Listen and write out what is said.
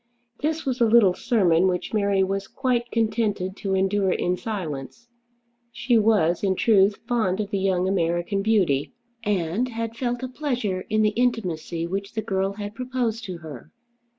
This was a little sermon which Mary was quite contented to endure in silence. She was, in truth, fond of the young American beauty, and had felt a pleasure in the intimacy which the girl had proposed to her.